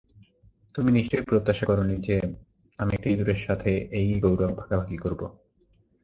তুমি নিশ্চয়ই প্রত্যাশা করোনি যে আমি একটা ইঁদুরের সাথে এই গৌরব ভাগাভাগি করব?